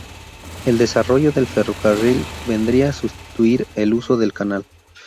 El desarrollo del ferrocarril vendría a sustituir el uso del canal.